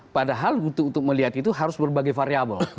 padahal untuk melihat itu harus berbagai variable